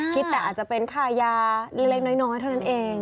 คิดแต่อาจจะเป็นค่ายาเล็กน้อยเท่านั้นเอง